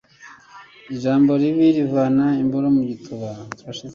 Ijambo ribi rivana imboro mu gituba